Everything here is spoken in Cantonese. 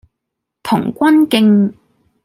童軍徑